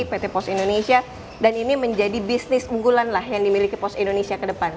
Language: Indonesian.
pt pos indonesia dan ini menjadi bisnis unggulan lah yang dimiliki pos indonesia ke depan